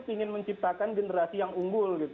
ingin menciptakan generasi yang unggul